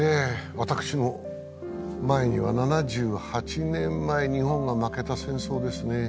私の前には７８年前日本が負けた戦争ですね